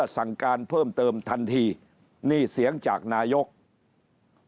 สั่งการเพิ่มเติมทันทีนี่เสียงจากนายก